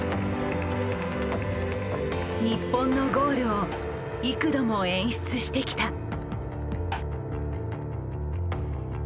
日本のゴールを幾度も演出してきた。